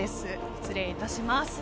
失礼いたします。